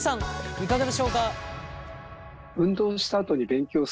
いかがでしょうか？